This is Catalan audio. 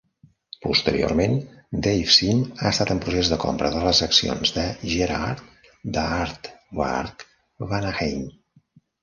Posteriorment, Dave Sim ha estat en procés de compra de les accions de Gerhard d'Aardvark-Vanaheim.